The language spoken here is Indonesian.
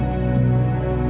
gue mau pergi ke rumah